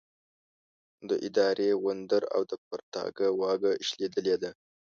د اداري وندر او د پرتاګه واګه شلېدلې ده.